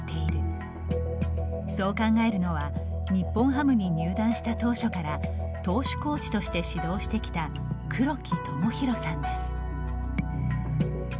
そう考えるのは日本ハムに入団した当初から投手コーチとして指導してきた黒木知宏さんです。